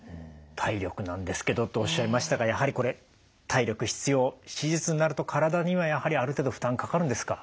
「体力なんですけど」とおっしゃいましたがやはりこれ体力必要手術になると体にはやはりある程度負担かかるんですか？